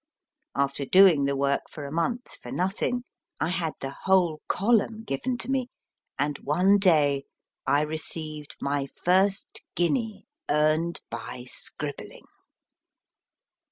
After doing the work for a month for nothing, I had the whole column given to me, and one day I received my first guinea earned by scribbling.